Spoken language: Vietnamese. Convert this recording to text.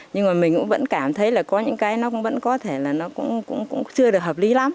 nhưng mà mình cũng vẫn cảm thấy là có những cái nó vẫn có thể là nó cũng chưa được hợp lý lắm